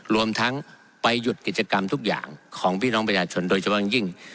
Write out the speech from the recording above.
รวมทั้งไปหยุดกิจกรรมทุกอย่างของพี่น้องประชาชนโดยเฉพาะอย่างยิ่ง